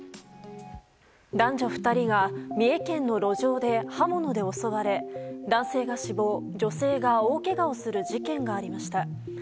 男女２人が三重県の路上で刃物で襲われ男性が死亡、女性が大けがをする事件がありました。